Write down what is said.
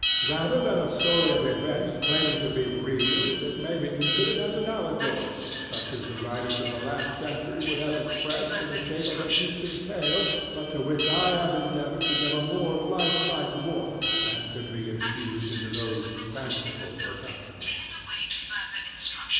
Rather than a story of events claiming to be real, it may be considered as an allegory such as the writers of the last century would have expressed in the shape of an Eastern tale, but to which I have endeavored to give a more lifelike warmth than could be infused into those fanciful productions.